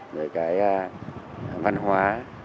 rồi cái văn hóa